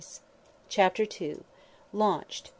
"_ CHAPTER II. LAUNCHED.